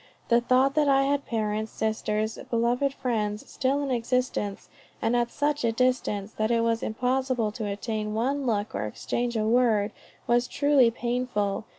The thought that I had parents, sisters, and beloved friends still in existence, and at such a distance that it was impossible to obtain one look or exchange a word, was truly painful.